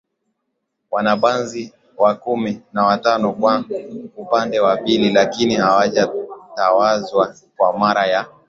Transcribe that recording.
Mwanabanzi wa kumi na tano kwa upande wa pili lakini hajatawazwa kwa mara ya